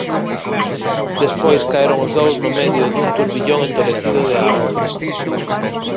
Despois caeron os dous no medio dun turbillón entolecido de auga.